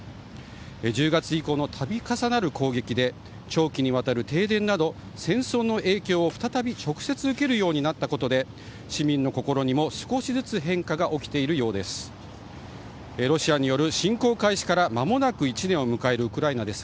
１０月以降の度重なる攻撃で長期にわたる停電など戦争の影響を再び直接受けるようになったことで市民の心にも少しずつ変化が起きているようです。